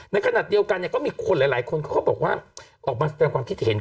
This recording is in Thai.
ในขณะเดียวกันก็มีคนหลายคนเขาบอกว่าออกมาแสดงความคิดเห็น